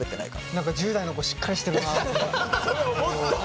何か１０代の子しっかりしてるなと思って。